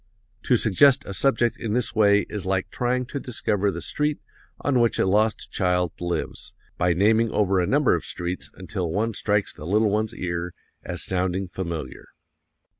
To suggest a subject in this way is like trying to discover the street on which a lost child lives, by naming over a number of streets until one strikes the little one's ear as sounding familiar.